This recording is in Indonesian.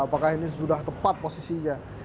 apakah ini sudah tepat posisinya